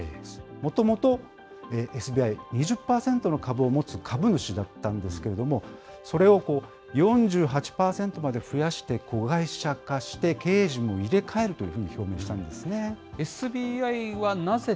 もともとＳＢＩ、２０％の株を持つ株主だったんですけれども、それを、４８％まで増やして子会社化して、経営陣も入れ替えるというふうに表明したんですね。